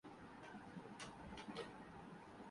تناظرمیں دیکھا گیا اور اس کا جوہرنظروں سے اوجھل ہو